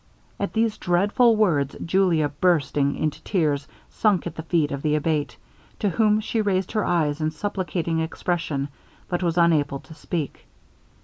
At these dreadful words, Julia bursting into tears, sunk at the feet of the Abate, to whom she raised her eyes in supplicating expression, but was unable to speak.